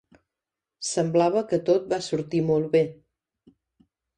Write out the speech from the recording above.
Semblava que tot va sortir molt bé.